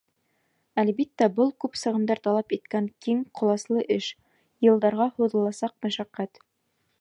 Әлбиттә, был — күп сығымдар талап иткән киң ҡоласлы эш, йылдарға һуҙыласаҡ мәшәҡәт.